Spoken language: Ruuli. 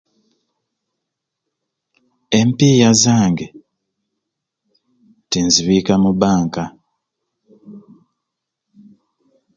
Empiiya zange tinzibika mu bank